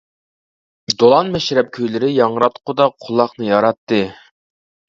دولان مەشرەپ كۈيلىرى ياڭراتقۇدا قۇلاقنى ياراتتى.